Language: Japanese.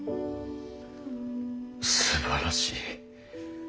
すばらしい。